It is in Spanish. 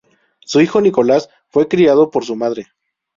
Su hijo, Nicolás, fue criado por su madre.